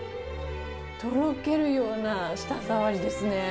とろけるような舌触りですね。